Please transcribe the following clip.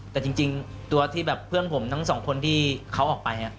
แต่จริงตัวที่แบบเพื่อนผมทั้งสองคนที่เขาออกไป